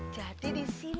jadi di sini